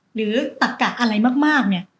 ตักกะอะไรมากเนี่ย